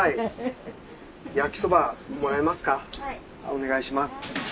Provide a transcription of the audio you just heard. お願いします。